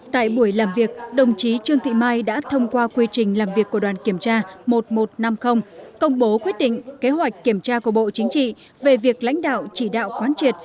tại buổi làm việc đồng chí trương thị mai đã thông qua quy trình làm việc của đoàn kiểm tra một nghìn một trăm năm mươi công bố quyết định kế hoạch kiểm tra của bộ chính trị về việc lãnh đạo chỉ đạo quán triệt